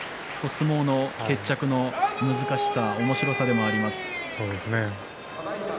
これが相撲の決着の難しさおもしろさでもあります。